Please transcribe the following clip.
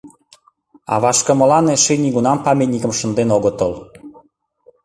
А вашкымылан эше нигунам памятникым шынден огытыл.